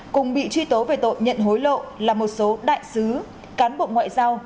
cùng bị truy tố về tội nhận hối lộ là một số đại sứ cán bộ ngoại giao